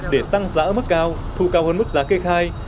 để tăng giá ở mức cao thu cao hơn mức giá kê khai